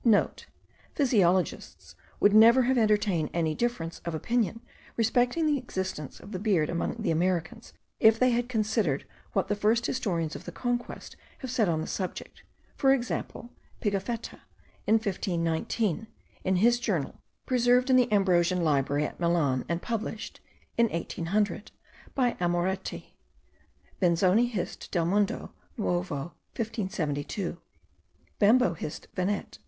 *(* Physiologists would never have entertained any difference of opinion respecting the existence of the beard among the Americans, if they had considered what the first historians of the Conquest have said on this subject; for example, Pigafetta, in 1519, in his journal, preserved in the Ambrosian Library at Milan, and published (in 1800) by Amoretti; Benzoni Hist. del Mundo Nuovo 1572; Bembo Hist. Venet.